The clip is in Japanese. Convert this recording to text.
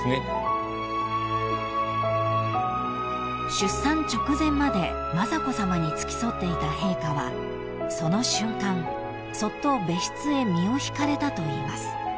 ［出産直前まで雅子さまに付き添っていた陛下はその瞬間そっと別室へ身を引かれたといいます］